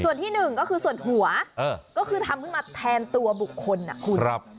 ส่วนที่หนึ่งก็คือส่วนหัวก็คือทำขึ้นมาแทนตัวบุคคลนะคุณ